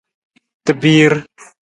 Tabiir.